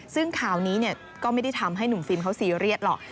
ซึ่งข่าวนี้ก็ไม่ได้ทำให้หนุ่มฟิล์มเขาซีเรียสหรอก